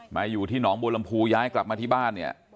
มาอยู่ที่หนองบัวลำพูย้ายกลับมาที่บ้านเนี่ย